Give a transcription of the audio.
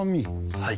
はい。